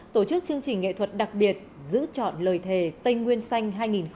tổ chức chương trình nghệ thuật đặc biệt giữ chọn lời thề tây nguyên xanh hai nghìn một mươi chín